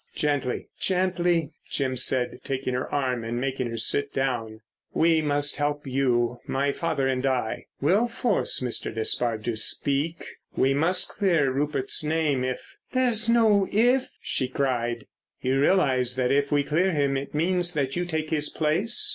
"Gently, gently," Jim said, taking her arm and making her sit down. "We must help you, my father and I. We'll force Mr. Despard to speak—we must clear Rupert's name if——" "There's no if!" she cried. "You realise that if we clear him it means that you take his place?